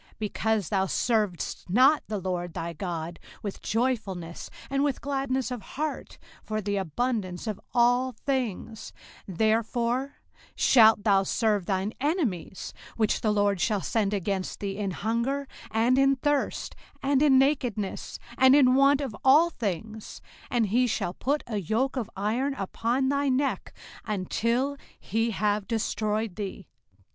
05:028:047 Because thou servedst not the LORD thy God with joyfulness, and with gladness of heart, for the abundance of all things; 05:028:048 Therefore shalt thou serve thine enemies which the LORD shall send against thee, in hunger, and in thirst, and in nakedness, and in want of all things: and he shall put a yoke of iron upon thy neck, until he have destroyed thee.